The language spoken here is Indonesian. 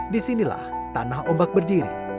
di sinilah tanah ombak berdiri